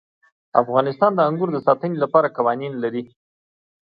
افغانستان د انګور د ساتنې لپاره قوانین لري.